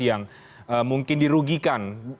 yang mungkin dirugikan